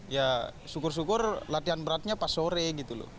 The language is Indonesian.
ya syukur syukur latihan beratnya pas sore gitu loh